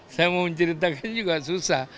saya mau menceritakannya juga susah